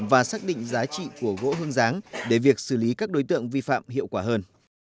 và xác định giá trị của gỗ hương giáng để việc xử lý các đối tượng vi phạm hiệu quả hơn